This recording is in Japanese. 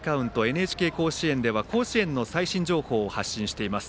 ＮＨＫ甲子園では甲子園の最新情報を発信しています。